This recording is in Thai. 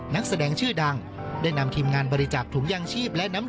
นักแสดงชื่อดังได้นำทีมงานบริจาคถุงยางชีพและน้ำ